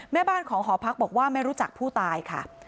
แม่บ้านของหอพักบอกว่าไม่รู้จักผู้ตายค่ะ